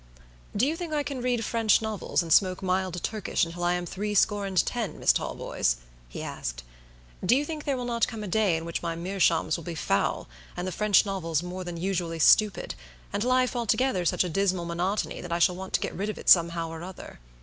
"Do you think I can read French novels and smoke mild Turkish until I am three score and ten, Miss Talboys?" he asked. "Do you think there will not come a day in which my meerschaums will be foul, and the French novels more than usually stupid, and life altogether such a dismal monotony that I shall want to get rid of it somehow or other?"